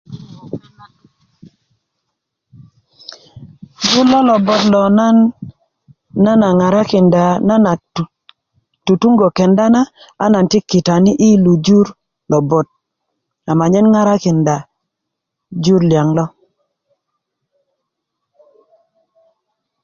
jur lo lobot lo nan a ŋarakinda nan a tutungö kenda na a nan ti kitani i lu jur lobot a manyen ŋarakinda jur liyaŋ lo